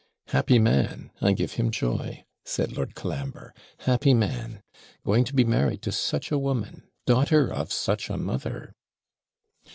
'Happy man! I give him joy,' said Lord Colambre; 'happy man! going to be married to such a woman daughter of such a mother.'